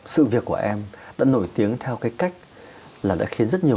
sự việc của em đã nổi tiếng theo cái cách là đã khiến rất nhiều